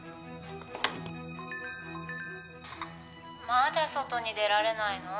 まだ外に出られないの？